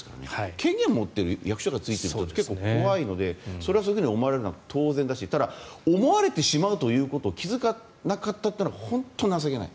権限を持っている役職がついている人は怖いのでそう思われるのは当然ですがそう思われるということに気付かなかったというのは本当に情けない。